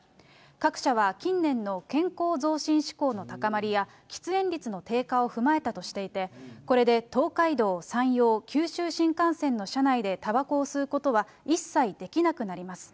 各社は近年の健康増進志向の高まりや、喫煙率の低下を踏まえたとしていて、これで東海道、山陽、九州新幹線の車内でたばこを吸うことは一切できなくなります。